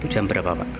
jam berapa pak